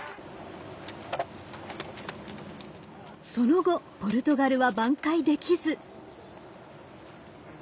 その後、ポルトガルは挽回できず。